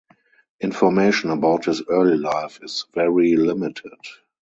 Information about his early life is very limited.